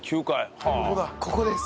ここです。